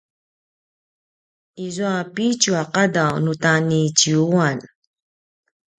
izua pitju a qadaw nu ta niciuan